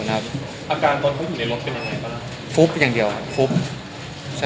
อาการตอนเขาอยู่ในรถเป็นยังไงบ้างฟุบอย่างเดียวครับฟุบใช่